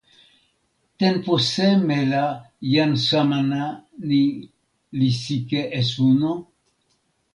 tenpo seme la jan Samana ni li sike e suno?